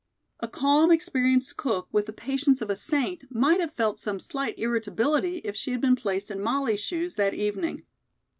A calm, experienced cook with the patience of a saint might have felt some slight irritability if she had been placed in Molly's shoes that evening.